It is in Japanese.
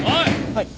はい。